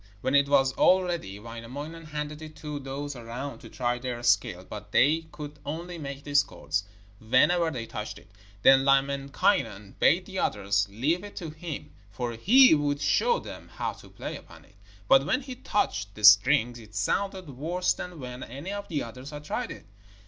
When it was all ready Wainamoinen handed it to those around to try their skill, but they could only make discords whenever they touched it. Then Lemminkainen bade the others leave it to him, for he would show them how to play upon it. But when he touched the strings it sounded worse than when any of the others had tried it.